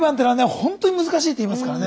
ほんとに難しいって言いますからね。